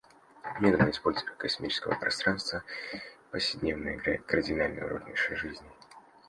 Мирное использование космического пространства повседневно играет кардинальную роль в нашей жизни.